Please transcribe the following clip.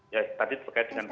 ya tadi terkait dengan